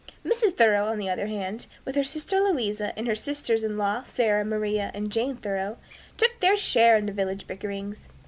Mrs. Thoreau, on the other hand, with her sister Louisa and her sisters in law, Sarah, Maria, and Jane Thoreau, took their share in the village bickerings.